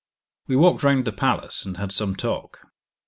We walked round the palace, and had some talk.